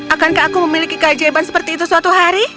akankah aku memiliki keajaiban seperti itu suatu hari